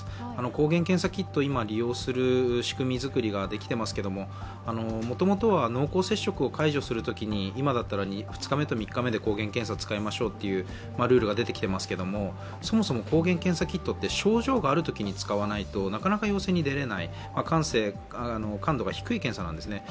抗原検査キット、今、利用する仕組みづくりができてますけどももともとは、濃厚接触を解除するときに今だったら２日目と３日目で抗原検査を使いましょうというルールが出てきていますけどそもそも抗原検査キットって症状があるときに使わないとなかなか陽性に出れない感度が低い検査なんですね。